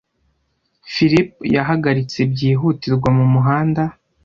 Philip yahagaritse byihutirwa mumuhanda.